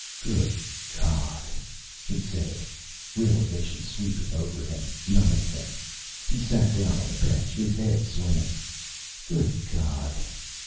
"Good God," he said. Realization swept over him, numbing him. He sat down on a bench, his head swimming. "Good God."